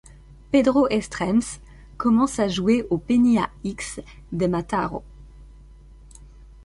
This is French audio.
Pedro Estrems commence à jouer au Penya X de Mataró.